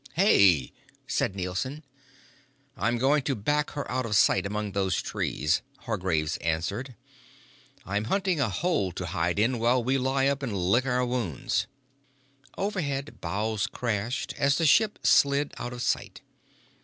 "Hey!" said Nielson. "I'm going to back her out of sight among those trees," Hargraves answered. "I'm hunting a hole to hide in while we lie up and lick our wounds." Overhead, boughs crashed as the ship slid out of sight.